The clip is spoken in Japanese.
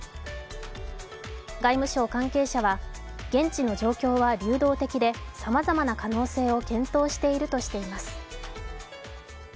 外務省関係者は現地の状況は流動的でさまざまな可能性を検討しているとしています。